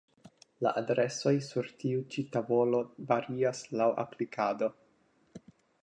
La adresoj sur tiu ĉi tavolo varias laŭ aplikado.